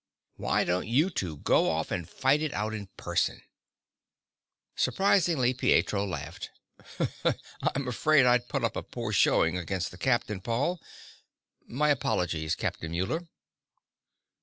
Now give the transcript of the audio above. Why don't you two go off and fight it out in person?" Surprisingly, Pietro laughed. "I'm afraid I'd put up a poor showing against the captain, Paul. My apologies, Captain Muller."